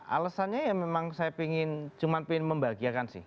alasannya ya memang saya pengen cuman pengen membahagiakan sih